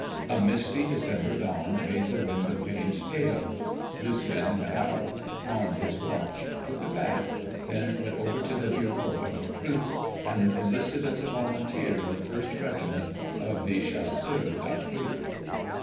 A misty December dawn made the window panes pale. Lucien went out, pawned his watch, took a bath, then went over to the Bureau of Recruits, and enlisted as a volunteer in the First Regiment of the Chasseurs d'Afrique.